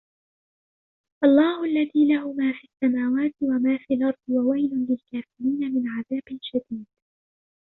الله الذي له ما في السماوات وما في الأرض وويل للكافرين من عذاب شديد